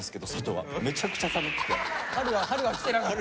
春はきてなかった？